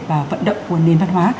và vận động của nền văn hóa